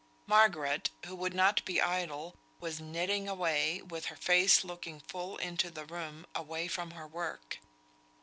Margaret, who could not be idle, was knitting away, with her face looking full into the room, away from her work.